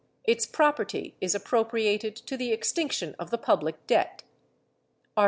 Its property is appropriated to the extinction of the public debt. Art.